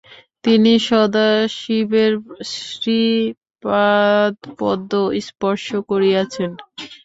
তিনি সদাশিবের শ্রীপাদপদ্ম স্পর্শ করিয়াছেন।